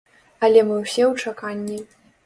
Але мы ўсе ў чаканні.